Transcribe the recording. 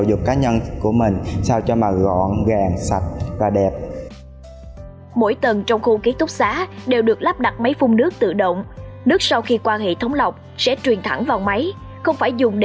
được cung cấp bằng máy phun nước tự động